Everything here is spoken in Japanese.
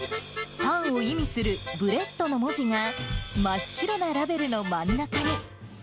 パンを意味するブレッドの文字が真っ白なラベルの真ん中に。